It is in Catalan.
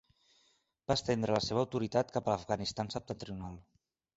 Va estendre la seva autoritat cap a l'Afganistan septentrional.